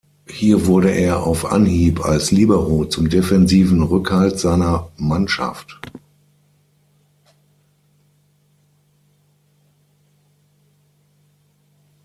Hier wurde er auf Anhieb als Libero zum defensiven Rückhalt seiner Mannschaft.